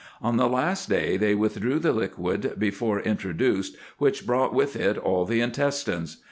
On the last day they withdrew the liquid before intro duced, which brought with it all the intestines.